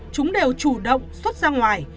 chúng đều chủ động xuất ra ngoài